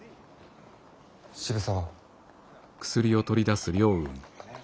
渋沢。